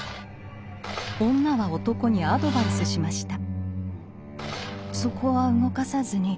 女は男にアドバイスしました。